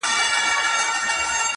• د کراري مو شېبې نه دي لیدلي -